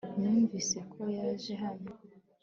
numvise ko yaje hano